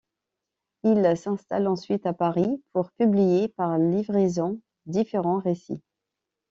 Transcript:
Il s'installe ensuite à Paris pour publier par livraisons différents récits.